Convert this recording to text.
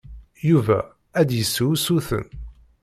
Yuba ad d-yessu usuten.